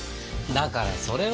だからそれは！